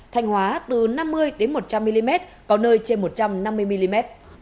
thanh hóa từ năm mươi một trăm linh mm có nơi trên một trăm năm mươi mm